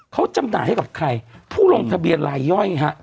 เขาจำหน่ายให้กับใครผู้ลงทะเบียนลายย่อยฮะ